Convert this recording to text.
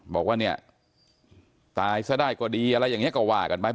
บอกว่าเนี่ยตายซะได้ก็ดีอะไรอย่างนี้ก็ว่ากันไป